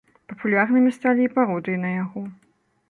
Папулярнымі сталі і пародыі на яго.